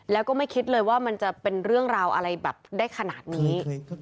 แล้วก็ไม่คิดเลยว่ามันจะเป็นเรื่องราวอะไรแบบได้ขนาดนี้